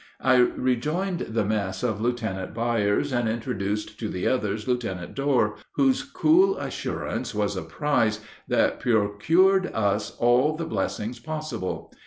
I rejoined the mess of Lieutenant Byers, and introduced to the others Lieutenant Dorr, whose cool assurance was a prize that procured us all the blessings possible.